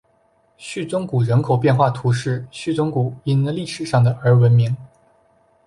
叙宗谷人口变化图示叙宗谷因历史上的而闻名。